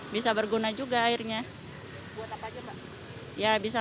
bisa berguna juga airnya